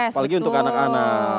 apalagi untuk anak anak